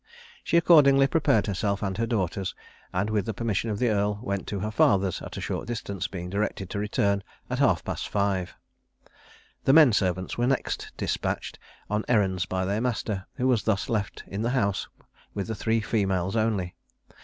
She accordingly prepared herself and her daughters, and with the permission of the earl went to her father's, at a short distance, being directed to return at half past five. The men servants were next despatched on errands by their master, who was thus left in the house with the three females only.